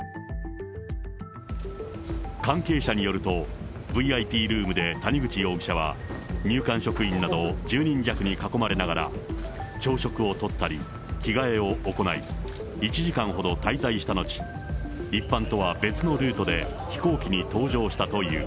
関係者によると、ＶＩＰルームで谷口容疑者は、入管職員など１０人弱に囲まれながら、朝食をとったり、着替えを行い、１時間ほど滞在した後、一般とは別のルートで飛行機に搭乗したという。